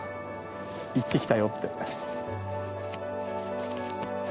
行ってきたよって。